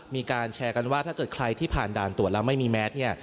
มีการแชร์กันว่าถ้าเกิดใครที่ผ่านด่านตรวจแล้วไม่มีแมสเนี่ย